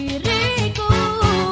kercanjilah pada diriku